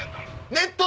ネット。